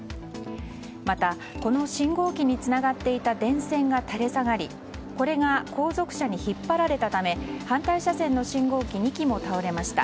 また、この信号機につながっていた電線が垂れ下がりこれが後続車に引っ張られたため反対車線の信号機２機も倒れました。